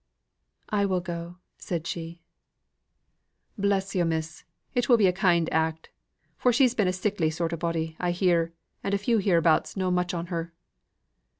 "I will go," said she. "Bless yo' miss, it will be a kind act; for she's been but a sickly sort o' body, I hear, and few hereabouts know much on her."